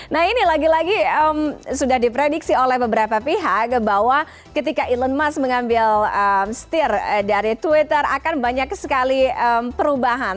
nah ini lagi lagi sudah diprediksi oleh beberapa pihak bahwa ketika elon musk mengambil setir dari twitter akan banyak sekali perubahan